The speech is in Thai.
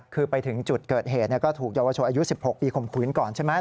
คือไปถึงจุดเกิดเหตุก็ถูกเยาวชนอายุ๑๖ปีข่มขืนก่อนใช่ไหม